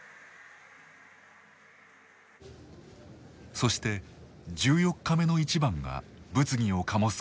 そして１４日目の一番が物議を醸すことになる。